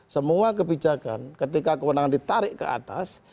semua kebijakan ketika kewenangan ditarik ke atas